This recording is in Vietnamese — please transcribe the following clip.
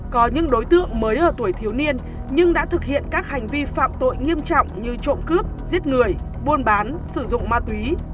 có những đối tượng mới ở tuổi thiếu niên nhưng đã thực hiện các hành vi phạm tội nghiêm trọng như trộm cướp giết người buôn bán sử dụng ma túy